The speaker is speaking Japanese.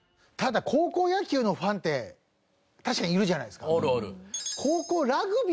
ただ高校野球のファンって確かにいるじゃないですか。